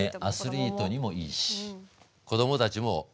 アスリートにもいいし子どもたちも豚好きでしょう？